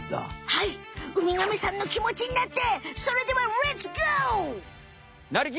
はいウミガメさんのきもちになってそれではレッツゴー！